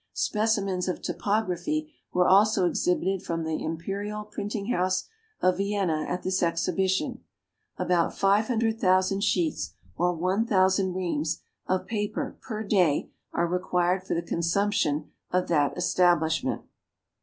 Specimens of typography were also exhibited from the imperial printing house of Vienna at this Exhibition. About 500,000 sheets, or 1,000 reams, of paper per day are required for the consumption of that establishment.